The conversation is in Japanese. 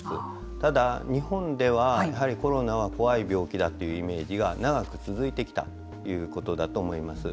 ただ、日本ではやはりコロナは怖い病気だというイメージが長く続いてきたということだと思います。